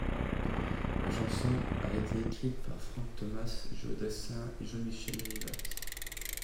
La chanson a été écrite par Frank Thomas, Joe Dassin et Jean-Michel Rivat.